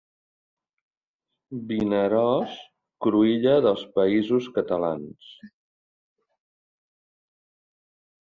Vinaròs, cruïlla dels Països Catalans.